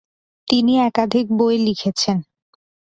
তিনি একাধিক বই লিখেছেন।